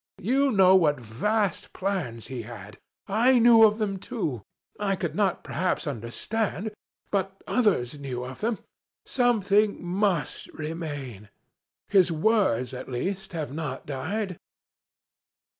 You know what vast plans he had. I knew of them too I could not perhaps understand, but others knew of them. Something must remain. His words, at least, have not died.'